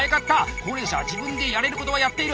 高齢者は自分でやれることはやっている！